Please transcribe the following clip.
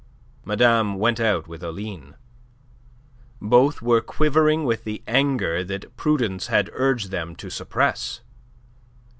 Madame went out with Aline. Both were quivering with the anger that prudence had urged them to suppress.